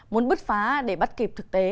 muốn bứt phá để bắt kịp thực tế